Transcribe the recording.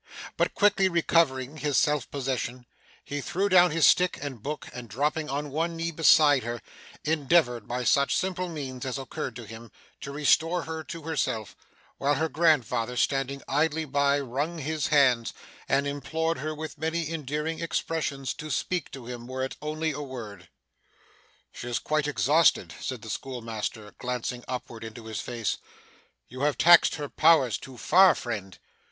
But, quickly recovering his self possession, he threw down his stick and book, and dropping on one knee beside her, endeavoured, by such simple means as occurred to him, to restore her to herself; while her grandfather, standing idly by, wrung his hands, and implored her with many endearing expressions to speak to him, were it only a word. 'She is quite exhausted,' said the schoolmaster, glancing upward into his face. 'You have taxed her powers too far, friend.